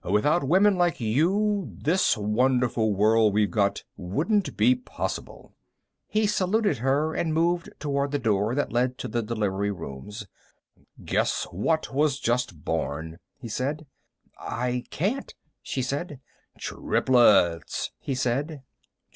Without women like you, this wonderful world we've got wouldn't be possible." He saluted her and moved toward the door that led to the delivery rooms. "Guess what was just born," he said. "I can't," she said. "Triplets!" he said.